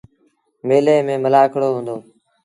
ميلي ميݩ ملآکڙوبا هُݩدو۔